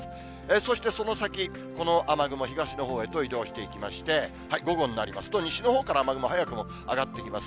そしてその先、この雨雲、東のほうへと移動していきまして、午後になりますと、西のほうから雨雲、早くも上がってきます。